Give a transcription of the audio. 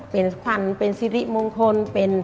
เป็นควันเป็นสิริมงคล